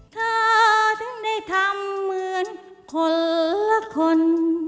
เธอถึงได้ทำเหมือนคนเหลือคน